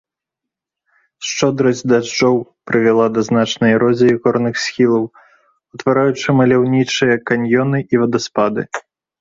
Шчодрасць дажджоў прывяла да значнай эрозіі горных схілаў, утвараючы маляўнічыя каньёны і вадаспады.